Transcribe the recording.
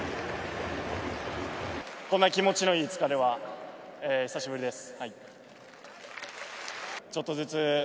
こんな気持ちのいい疲れは久しぶりです。